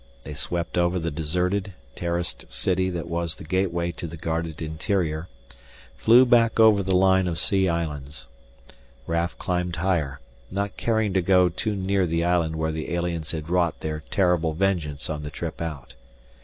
They swept over the deserted, terraced city that was the gateway to the guarded interior, flew back over the line of sea islands. Raf climbed higher, not caring to go too near the island where the aliens had wrought their terrible vengeance on the trip out.